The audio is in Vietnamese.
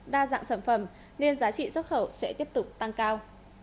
đa dạng sản phẩm nên giá trị xuất khẩu sẽ tiếp tục tăng cao